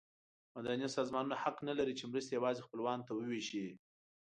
مدني سازمانونه حق نه لري چې مرستې یوازې خپلوانو ته وویشي.